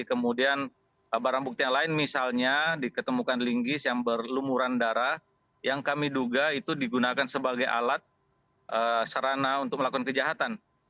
kemudian barang bukti yang lain misalnya diketemukan linggis yang berlumuran darah yang kami duga itu digunakan sebagai alat serana untuk melakukan kejahatan